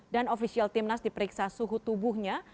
dan ofisial timnas diperiksa suhu tubuhnya